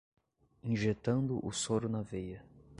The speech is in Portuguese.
Injetando o soro na veia